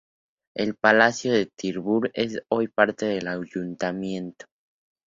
El palacio de Tilburg es hoy parte del ayuntamiento.